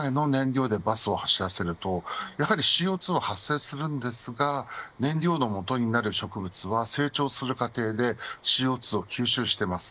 由来の燃料でバスを走らせるとやはりＣＯ２は発生しますが燃料のもとになる植物は成長する過程でＣＯ２を吸収しています。